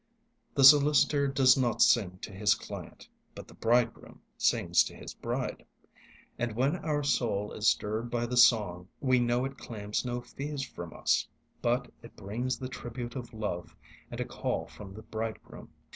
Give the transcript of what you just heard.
The solicitor does not sing to his client, but the bridegroom sings to his bride. And when our soul is stirred by the song, we know it claims no fees from us; but it brings the tribute of love and a call from the bridegroom.